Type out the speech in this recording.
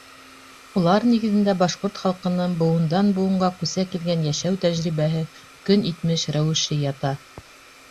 Улар нигеҙендә башҡорт халҡының быуындан-быуынға күсә килгән йәшәү тәжрибәһе, көн итмеш рәүеше ята.